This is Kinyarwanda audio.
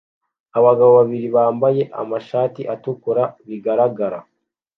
Abagabo babiri bambaye amashati atukura bigaragara